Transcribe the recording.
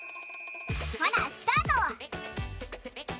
ほなスタート！